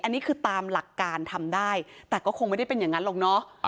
อันนี้คือตามหลักการทำได้แต่ก็คงไม่ได้เป็นอย่างนั้นหรอกเนาะ